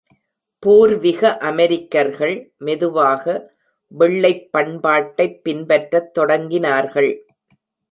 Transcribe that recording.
பூர்விக அமெரிக்கர்கள் மெதுவாக வெள்ளைப் பண்பாட்டைப் பின்பற்றத் தொடங்கினார்கள்.